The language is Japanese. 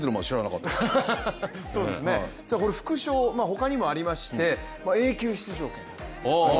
副賞、他にもありまして永久出場権。